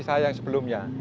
saya yang sebelumnya